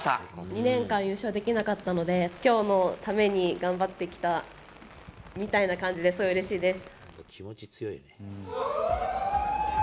２年間優勝できなかったので、きょうのために頑張ってきたみたいな感じで、すごいうれしいです。